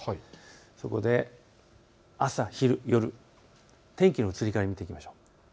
そこで朝、昼、夜、天気の移り変わりを見ていきましょう。